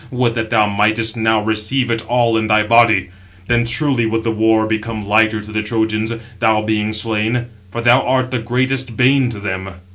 would that thou mightst now receive it all in thy body. Then truly would the war become lighter to the Trojans, thou being slain; for thou art the greatest bane to them."